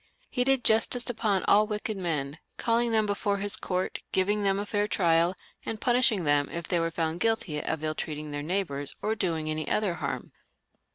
He did justice upon all wicked men, calling them before his court, giving them a fair trial, and punishing them if they were found guilty of ill treating their neigh bours or doing any other harm.